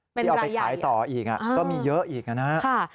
ที่เอาไปขายต่ออีกก็มีเยอะอีกนะครับ